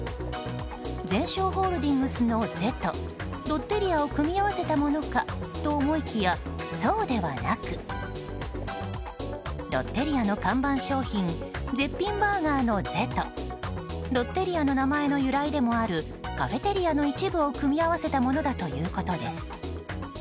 ゼンショーホールディングスの「ゼ」とロッテリアを組み合わせたものかと思いきやそうではなくロッテリアの看板商品絶品バーガーの「ゼ」とロッテリアの名前の由来でもあるカフェテリアの名前の一部を組み合わせたものだということです。